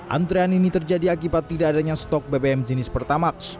antrean ini terjadi akibat tidak adanya stok bbm jenis pertamax